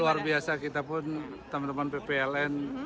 luar biasa kita pun teman teman ppln